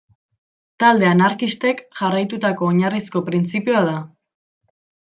Talde anarkistek jarraitutako oinarrizko printzipioa da.